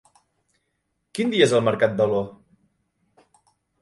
Quin dia és el mercat d'Alaior?